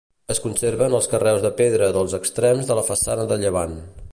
Es conserven els carreus de pedra dels extrems de la façana de llevant.